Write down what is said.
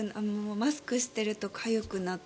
マスクをしているとかゆくなって。